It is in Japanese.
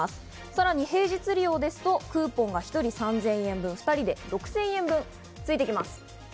さらに平日利用ですとクーポンが１人３０００円分、２人で６０００円分ついてきます。